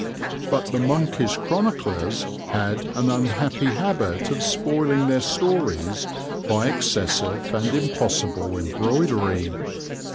But the monkish chroniclers had an unhappy habit of spoiling their stories by excessive and impossible embroidery.